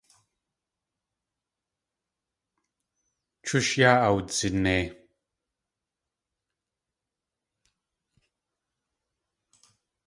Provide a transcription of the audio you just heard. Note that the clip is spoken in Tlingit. Chush yáa awdzinei.